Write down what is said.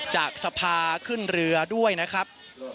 จากสภาขึ้นเรือด้วยนะครับ